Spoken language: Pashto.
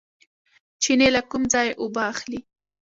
چینې له کوم ځای اوبه اخلي؟